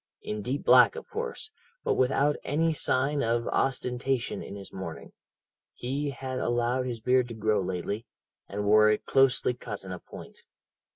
In deep black, of course, but without any sign of ostentation in his mourning. He had allowed his beard to grow lately, and wore it closely cut in a point.